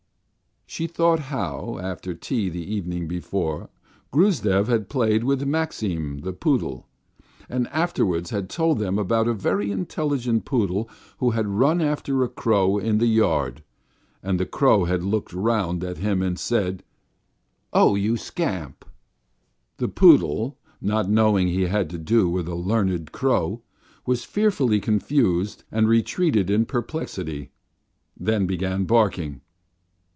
She thought how, after tea the evening before, Gruzdev had played with Maxim the poodle, and afterwards had told them about a very intelligent poodle who had run after a crow in the yard, and the crow had looked round at him and said: "Oh, you scamp!" The poodle, not knowing he had to do with a learned crow, was fearfully confused and retreated in perplexity, then began barking....